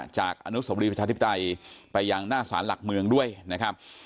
จากอนุสวรีประชาธิปไตยไปยังหน้าสารหลักเมืองด้วยนะครับ